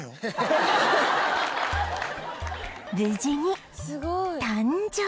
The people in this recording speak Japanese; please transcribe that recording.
無事に誕生！